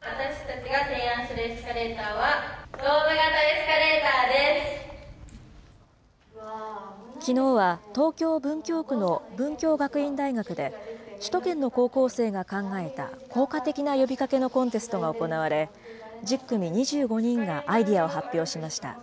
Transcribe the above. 私たちが提案するエスカレーターは、きのうは、東京・文京区の文京学院大学で、首都圏の高校生が考えた効果的な呼びかけのコンテストが行われ、１０組２５人がアイデアを発表しました。